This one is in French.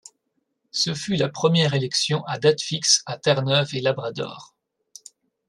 Ce fut la première élection à date fixe à Terre-Neuve-et-Labrador.